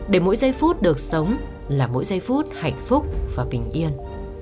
để mỗi giây phút được sống là mỗi giây phút hạnh phúc và bình yên